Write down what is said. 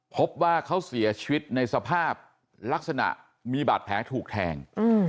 พบว่าเขาเสียชีวิตในสภาพลักษณะมีบาดแผลถูกแทง